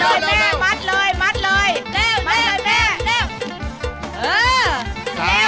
มามัดเลย